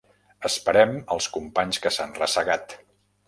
Esperem els companys que s'han ressagat.